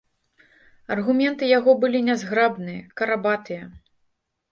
Аргументы яго былі нязграбныя, карабатыя.